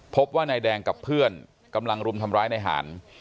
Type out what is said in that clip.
พบว่านายแดงกับเพื่อนกำลังรุมทำร้ายนายหาร